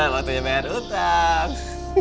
waktunya bayar utang